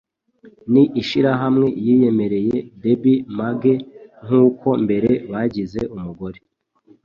Ni ishirahamwe yiyemereye Debbie Maghee nk'uko mbere bagize umugore